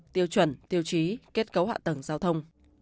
tiêu chuẩn tiêu chí kết cấu hạ tầng giao thông